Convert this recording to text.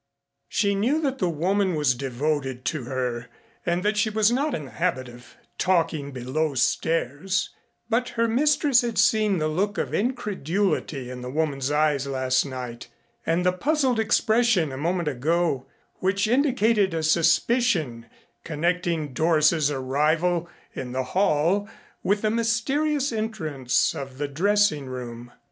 She knew that the woman was devoted to her and that she was not in the habit of talking belowstairs, but her mistress had seen the look of incredulity in the woman's eyes last night and the puzzled expression a moment ago which indicated a suspicion connecting Doris's arrival in the Hall with the mysterious entrance of the dressing room.